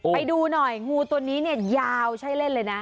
ไปดูหน่อยมูตัวนี้ยาวใช้เล่นเลยนะ